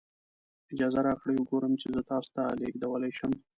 اجازه راکړئ وګورم چې زه تاسو ته لیږدولی شم.